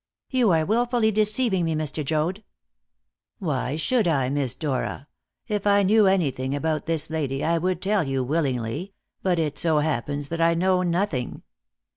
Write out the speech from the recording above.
"You are wilfully deceiving me, Mr. Joad." "Why should I, Miss Dora? If I knew anything about this lady I would tell you willingly; but it so happens that I know nothing."